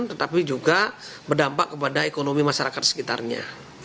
tetapi juga berdampak kepada ekonomi masyarakat sekitarnya